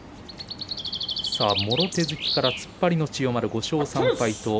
もろ手突きから突っ張りの千代丸５勝３敗。